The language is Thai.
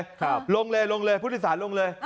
ลงเลยลงเลยผู้โดยสารลงเลย